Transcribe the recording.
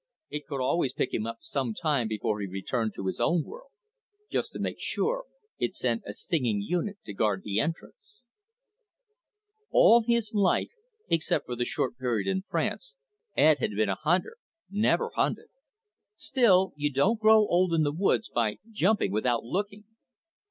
It could always pick him up some time before he returned to his own world. Just to make sure, it sent a stinging unit to guard the entrance._ All his life, except for a short period in France, Ed had been a hunter, never hunted. Still, you don't grow old in the woods by jumping without looking.